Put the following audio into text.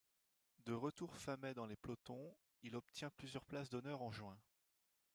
De retour fin mai dans les pelotons, il obtient plusieurs places d'honneur en juin.